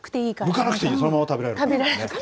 むかなくていい、そのまま食べられる。